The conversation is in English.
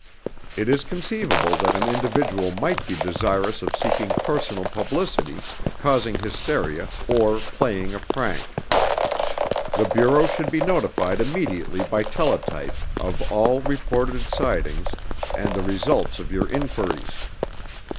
It is conceivable that an individual might be desirous of seeking personal publicity, causing hysteria, or playing a prank. The Bureau should be notified immediately by teletype of all reported sightings and the results of your inquiries.